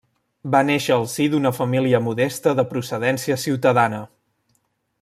Va néixer al si d'una família modesta de procedència ciutadana.